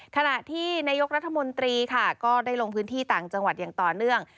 ขณะที่นายกรัฐมนตรีค่ะก็ได้ลงพื้นที่ต่างจังหวัดอย่างต่อเนื่อง